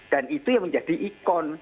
dan itu yang menjadi ikon